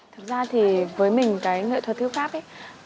thực ra thì với mình cái nghệ thuật thư pháp ấy